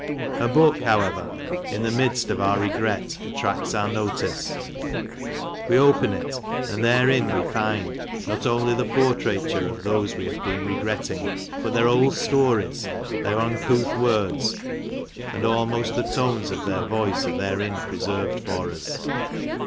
A book, however, in the midst of our regret, attracts our notice ; we open it, and therein we find, not only the portraiture of those we have been regretting, but their old stories, their uncouth words, and almost the tones of their voice are therein preserved for us.